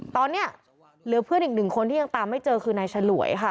ตอนนี้เหลือเพื่อนอีกหนึ่งคนที่ยังตามไม่เจอคือนายฉลวยค่ะ